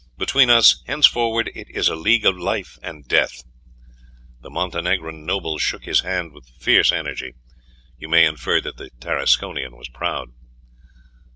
Between us henceforward it is a league of life and death!" The Montenegrin noble shook his hand with fierce energy. You may infer that the Tarasconian was proud.